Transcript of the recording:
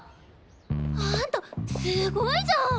あんたすごいじゃん！